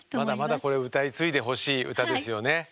まだまだこれ歌い継いでほしい歌ですよね。